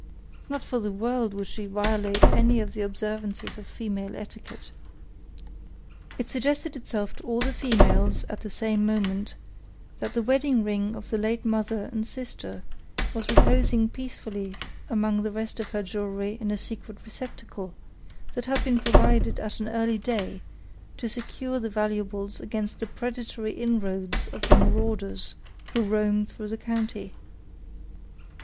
Not for the world would she violate any of the observances of female etiquette. It suggested itself to all the females, at the same moment, that the wedding ring of the late mother and sister was reposing peacefully amid the rest of her jewelry in a secret receptacle, that had been provided at an early day, to secure the valuables against the predatory inroads of the marauders who roamed through the county.